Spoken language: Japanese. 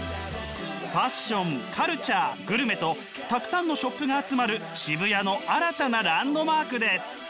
ファッションカルチャーグルメとたくさんのショップが集まる渋谷の新たなランドマークです！